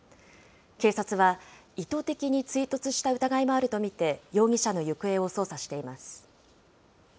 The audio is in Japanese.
警察は意図的に追突した疑いもあると見て、容疑者の行方を捜査しています。